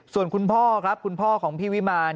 ส่วนคุณพ่อครับคุณพ่อของพี่วิมาร